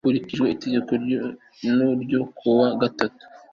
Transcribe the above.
hakurikijwe itegeko no ryo kuwa gatatu